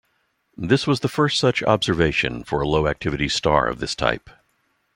This was the first such observation for a low-activity star of this type.